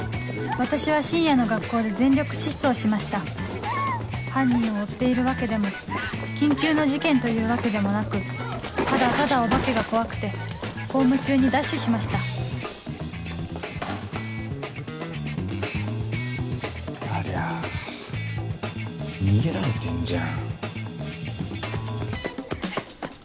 私は深夜の学校で全力疾走しました犯人を追っているわけでも緊急の事件というわけでもなくただただお化けが怖くて公務中にダッシュしましたありゃ逃げられてんじゃん。